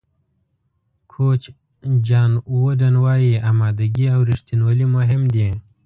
کوچ جان ووډن وایي آمادګي او رښتینولي مهم دي.